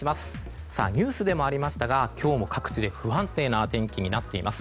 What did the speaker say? ニュースでもありましたが今日も各地で不安定な天気になっています。